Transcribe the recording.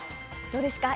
どうですか？